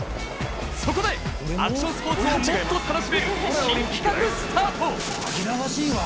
そこで、アクションスポーツをもっと楽しめる新企画スタート。